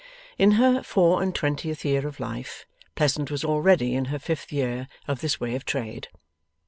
In her four and twentieth year of life, Pleasant was already in her fifth year of this way of trade.